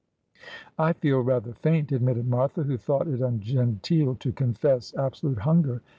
'I feel rather faint,"' admitted Martha, who thought it un genteel to confess absolute hunger.